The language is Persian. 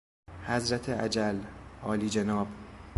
حضرت اجل، عالیجناب